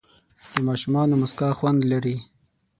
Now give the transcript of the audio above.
د ماشومانو موسکا خوند لري.